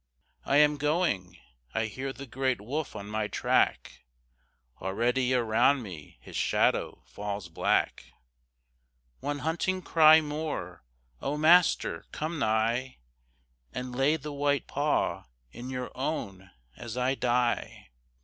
I am going I hear the great wolf on my track; Already around me his shadow falls black. One hunting cry more! Oh, master, come nigh, And lay the white paw in your own as I die!